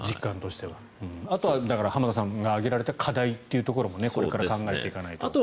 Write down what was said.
あとは浜田さんが挙げられた課題というのも考えていかないと。